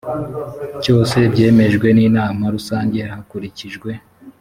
cyose byemejwe n inama rusange hakurikijwe